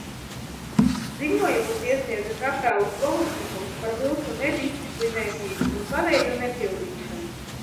Ziņojumus iesniedza kaprālis Volosņikovs par mūsu nedisciplinētību un pavēļu nepildīšanu.